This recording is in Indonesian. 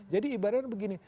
jadi ibaratnya begini